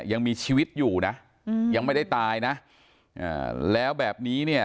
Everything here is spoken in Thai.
ยังมีชีวิตอยู่นะอืมยังไม่ได้ตายนะอ่าแล้วแบบนี้เนี่ย